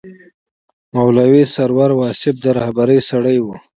مولوي سرور واصف د رهبرۍ سړی و.